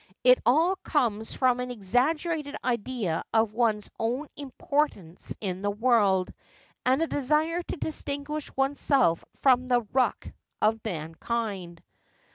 ' It all comes from an exaggerated idea of one's own importance in the world, and a desire to distinguish one's self from the ruck of mankind.'